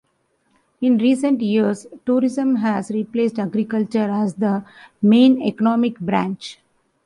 In recent years, tourism has replaced agriculture as the main economic branch.